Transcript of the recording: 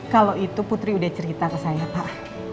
kalau itu putri udah cerita ke saya pak